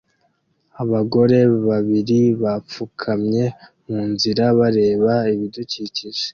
Abagore babiri bapfukamye munzira bareba ibidukikije